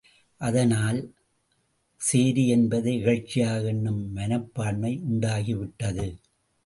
அதனால் சேரி என்பதை இகழ்ச்சியாக எண்ணும் மனப்பான்மை உண்டாகிவிட்டது.